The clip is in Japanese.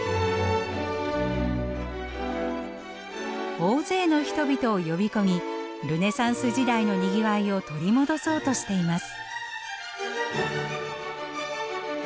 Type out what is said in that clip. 大勢の人々を呼び込みルネサンス時代のにぎわいを取り戻そうとしています。